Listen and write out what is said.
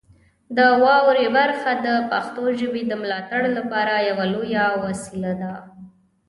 د واورئ برخه د پښتو ژبې د ملاتړ لپاره یوه لویه وسیله ده.